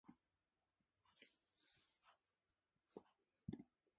濁った煙が口から漏れ、空中を漂い、街灯の明かりを汚していく